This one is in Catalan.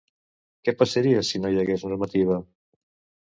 Què passaria si no hi hagués normativa?